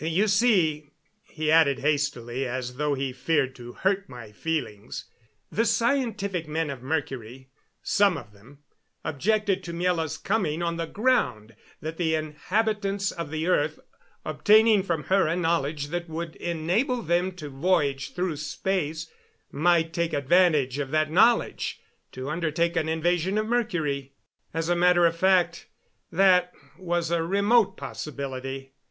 You see," he added hastily, as though he feared to hurt my feelings, "the scientific men of Mercury some of them objected to Miela's coming, on the ground that the inhabitants of the earth, obtaining from her a knowledge that would enable them to voyage through space, might take advantage of that knowledge to undertake an invasion of Mercury. "As a matter of fact, that was a remote possibility.